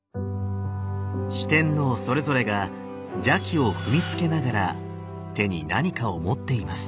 四天王それぞれが邪鬼を踏みつけながら手に何かを持っています。